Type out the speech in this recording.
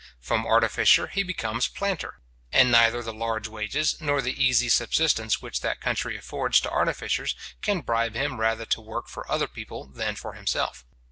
From artificer he becomes planter; and neither the large wages nor the easy subsistence which that country affords to artificers, can bribe him rather to work for other people than for himself.